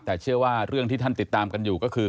แต่เชื่อว่าเรื่องที่ท่านติดตามกันอยู่ก็คือ